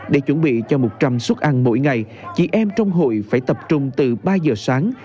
để chuẩn bị cho một trăm linh suất ăn mỗi ngày chị em trong hội phải tập trung từ ba giờ sáng